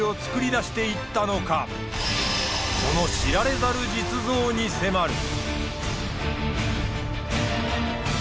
その知られざる実像に迫る。